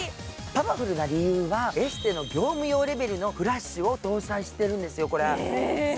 パワフルな理由はエステの業務用レベルのフラッシュを搭載しているんですよ。